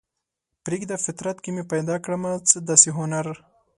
پریږده فطرت کې مې پیدا کړمه څه داسې هنر